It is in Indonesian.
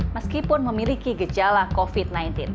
meskipun memiliki gejala covid sembilan belas